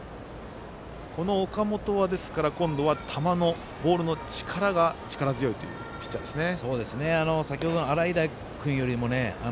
この投手も、ボールの力が力強いというピッチャーですね。